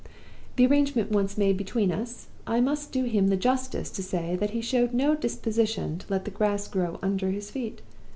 The arrangement once made between us, I must do him the justice to say that he showed no disposition to let the grass grow under his feet.